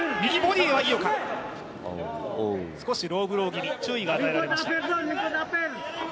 ローブロー気味、注意が与えられました。